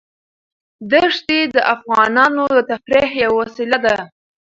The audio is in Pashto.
دښتې د افغانانو د تفریح یوه وسیله ده.